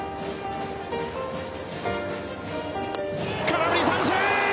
空振り三振！